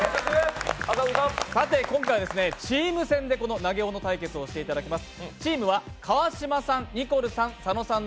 さて今回はチーム戦でこの投げ斧対決をしていただきます。